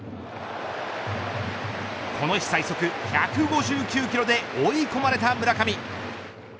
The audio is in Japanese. この日最速１５９キロで追い込まれた村上。